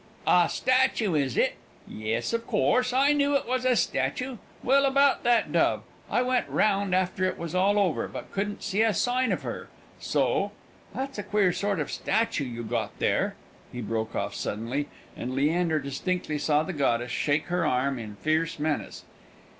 "A statue, is it? Yes, of course; I knew it was a statue. Well, about that dove. I went round after it was all over, but couldn't see a sign of her; so That's a queer sort of statue you've got there!" he broke off suddenly; and Leander distinctly saw the goddess shake her arm in fierce menace.